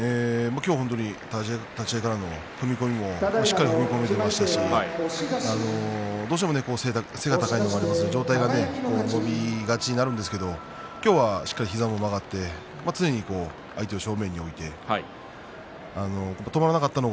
今日、本当に立ち合いからの踏み込みもしっかり踏み込めていましたしどうしても背が高いので上体が伸びがちになるんですが今日はしっかりと膝も曲がって常に相手を正面に迎えて。